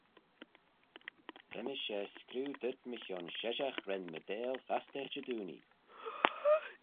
Ta mish er screeu dhyt mychione sheshaght ren meeteil fastyr Jedoonee.